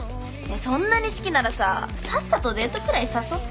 そんなに好きならささっさとデートくらい誘ったら？